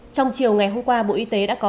trong chiều ngày hôm qua bộ y tế đã có